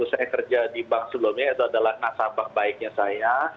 saya kerja di bank sebelumnya itu adalah nasabah baiknya saya